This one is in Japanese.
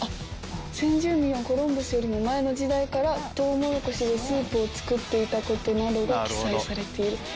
「先住民はコロンブスよりも前の時代からトウモロコシでスープを作っていたことなどが記載されている」。